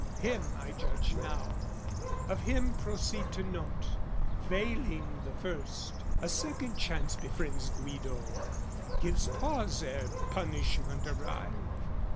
Him I judge now, of him proceed to note, Failing the first, a second chance befriends Guido, gives pause ere punishment arrive.